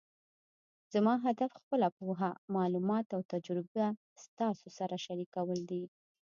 زما هدف خپله پوهه، معلومات او تجربه تاسو سره شریکول دي